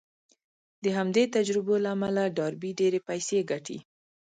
د همدې تجربو له امله ډاربي ډېرې پيسې ګټي.